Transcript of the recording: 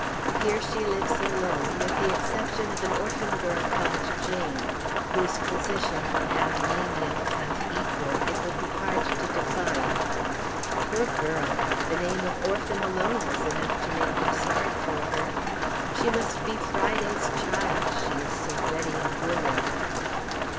Here she lives alone, with the exception of an orphan girl called Jane, whose position, half menial, half equal, it would be hard to define. Poor girl! the name of orphan alone was enough to make me sorry for her. She must be "Friday's child"! she is so "ready and willing."